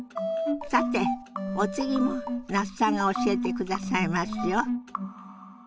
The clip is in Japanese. さてお次も那須さんが教えてくださいますよ。